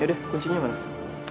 yaudah kuncinya mana